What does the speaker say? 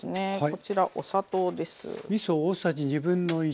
こちらお砂糖です。